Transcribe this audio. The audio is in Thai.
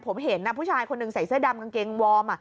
ผมเห็นผู้ชายคนหนึ่งใส่เสื้อดำกางเกงวอร์ม